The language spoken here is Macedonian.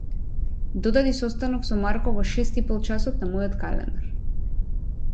Додади состанок со Марко во шест ипол часот на мојот календар.